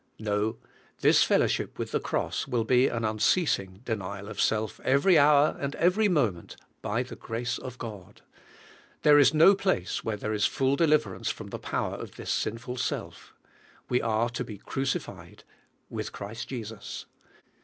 No, this fellowship with the cross of Christ will be an unceasing denial of self every hour and every moment by the grace of God. There is no place where there is full de liverance from the power of this sinful self. We are to be crucified with Christ Jesus.